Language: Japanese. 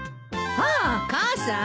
ああ母さん？